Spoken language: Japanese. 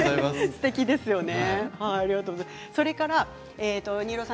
すてきですよね。